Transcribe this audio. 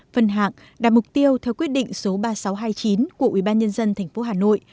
phân hạng đạt mục tiêu theo quyết định số ba nghìn sáu trăm hai mươi chín của ubnd tp hà nội